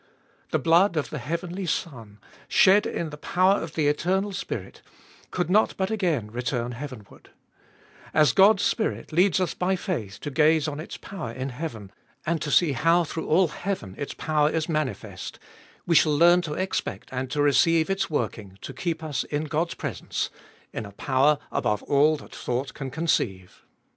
The blood of the heavenly Son, shed in the power of the Eternal Spirit, could not but again return heavenward : as God's Spirit leads us by faith to gaze on its power in heaven, and to see how through all heaven its power is manifest, we shall learn to expect and to receive its working to keep us in God's presence, in a power above all that thought can conceive.